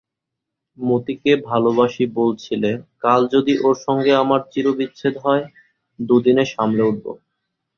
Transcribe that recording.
মতিকে ভালোবাসি বলছিলে, কাল যদি ওর সঙ্গে আমার চিরবিচ্ছেদ হয় দুদিনে সামলে উঠব।